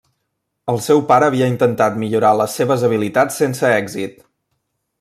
El seu pare havia intentat millorar les seves habilitats sense èxit.